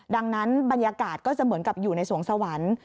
ดังนั้นบรรยากาศก็จะเหมือนกับอยู่ในสวงสวรรค์